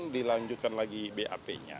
dilanjutkan lagi bap nya